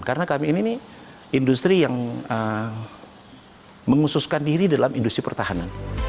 karena kami ini industri yang mengususkan diri dalam industri pertahanan